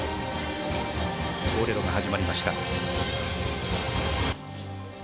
『ボレロ』が始まりました。